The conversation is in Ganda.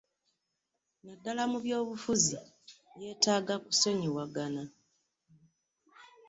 Naddala mu by'obufuzi yeetaaga kusonyiwagana.